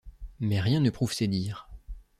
Mais rien ne prouve ces dires.